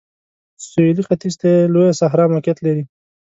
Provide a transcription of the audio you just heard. سویلي ختیځ ته یې لویه صحرا موقعیت لري.